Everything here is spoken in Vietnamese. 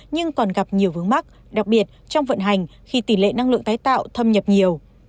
nhưng còn gặp nhiều vướng mắt đặc biệt trong vận hành khi tỷ lệ năng lượng tái tạo thâm nhập nhiều